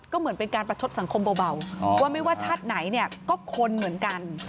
ก็เหมือนเป็นการประชดสังคมเบาว่าไม่ว่าชาติไหนเนี่ยก็คนเหมือนกัน